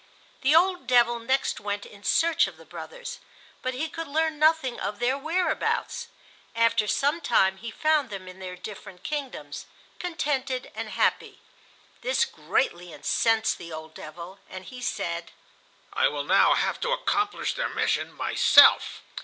The old devil next went in search of the brothers, but he could learn nothing of their whereabouts. After some time he found them in their different kingdoms, contented and happy. This greatly incensed the old devil, and he said, "I will now have to accomplish their mission myself."